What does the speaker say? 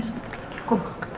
selamat tidur atta ya